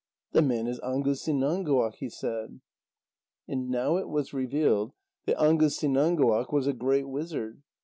"The man is Angusinãnguaq," he said. And now it was revealed that Angusinãnguaq was a great wizard.